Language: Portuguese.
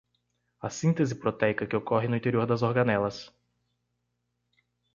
A síntese proteica que ocorre no interior das organelas